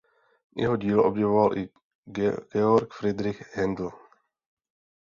Jeho dílo obdivoval i Georg Friedrich Händel.